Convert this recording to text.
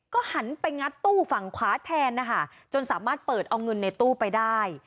ก็หันไปงัดตู้ฝั่งขวาแทนนะคะจนสามารถเปิดเอาเงินในตู้ไปได้